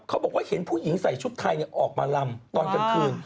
เขาบอกว่าเห็นผู้หญิงใส่ชุดไทยออกมาลำตอนกลางคืน